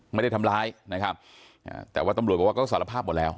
ไม่ได้ทำร้ายนะครับอ่าแต่ว่าตำรวจบอกว่าก็สารภาพหมดแล้ว